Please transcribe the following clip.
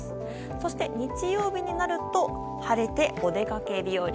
そして日曜日になると、晴れてお出かけ日和。